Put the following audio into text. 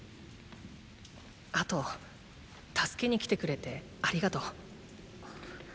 あと助けに来てくれてありがとう。